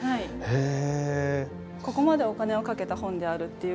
へえ。